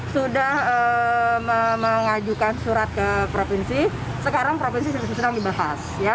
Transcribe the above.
sudah mengajukan surat ke provinsi sekarang provinsi sedang dibahas